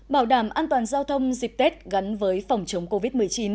bảo đảm an toàn giao thông dịp tết gắn với phòng chống covid một mươi chín